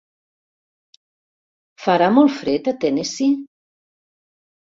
Farà molt fred a Tennessee?